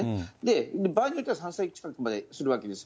場合によっては３歳近くまでするわけです。